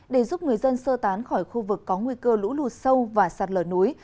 để giúp người dân sơ tán khỏi khu vực có nguy cơ lũ lụt sâu và sạt lở núi